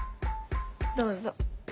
どうぞ。